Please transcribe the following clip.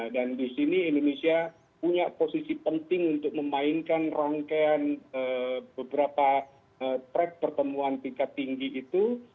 dan disini indonesia punya posisi penting untuk memainkan rangkaian beberapa track pertemuan tingkat tinggi itu